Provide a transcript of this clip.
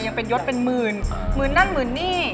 ยังเป็นยศเป็นหมื่นหมื่นนั่นหมื่นนี่